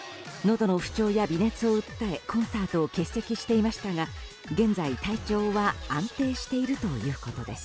どの不調や微熱を訴えコンサートを欠席していましたが現在、体調は安定しているということです。